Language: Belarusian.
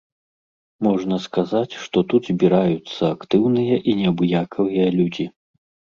Можна сказаць, што тут збіраюцца актыўныя і неабыякавыя людзі.